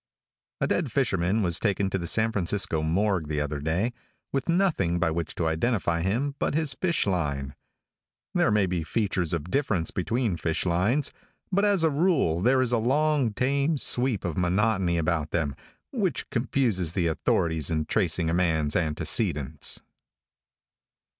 |A DEAD fisherman was taken to the San Francisco morgue the other day, with nothing by which to identify him but his fish fine. There may be features of difference between fish lines, but as a rule there is a long, tame sweep of monotony about them which confuses the authorities in tracing a man's antecedents.